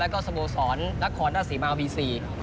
และก็สโมสรนครสีบาลแชมป์๔